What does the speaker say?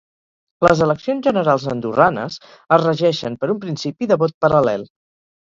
Les eleccions generals andorranes es regeixen per un principi de vot paral·lel.